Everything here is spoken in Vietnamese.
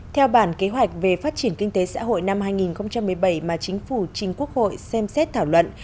theo bản kế hoạch về phát triển kinh tế xã hội năm hai nghìn một mươi bảy mà chính phủ chính quốc hội xem xét thảo luận